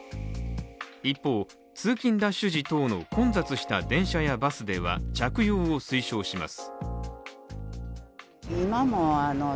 一方、通勤ラッシュ時等の混雑した電車やバスでは着用を推奨します。